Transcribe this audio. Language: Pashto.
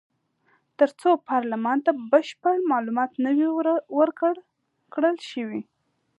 تر څو پارلمان ته بشپړ معلومات نه وي ورکړل شوي.